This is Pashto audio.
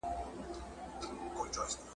هغه له اولسونو څخه پيسې راټولولې.